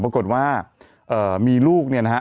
ปรากฏว่ามีลูกเนี่ยนะฮะ